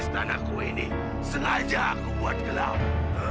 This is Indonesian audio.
istanaku ini sengaja aku buat gelap